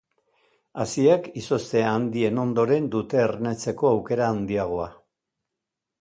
Haziak izozte handien ondoren dute ernetzeko aukera handiagoa.